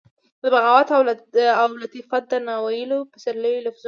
د بغاوت او لطافت د ناویلو پسرلیو د لفظونو،